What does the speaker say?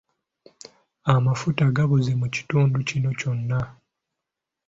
Amafuta gabuze mu kitundu kino kyonna.